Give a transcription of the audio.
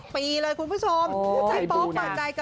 พี่โป๊บธนวัฒน์กันนะ